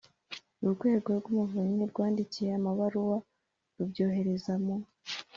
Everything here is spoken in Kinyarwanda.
Urwego rw Umuvunyi rwandikiye amabaruwa rubyohereza mu